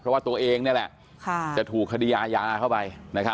เพราะว่าตัวเองนี่แหละจะถูกคดีอาญาเข้าไป